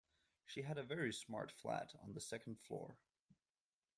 She had a very smart flat on the second floor